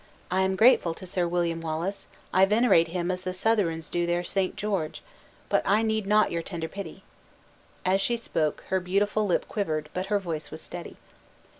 I am grateful to Sir William Wallace; I venerate him as the Southrons do their St. George, but I need not your tender pity." As she spoke, her beautiful lip quivered, but her voice was steady.